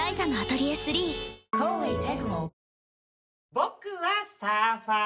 僕はサーファー。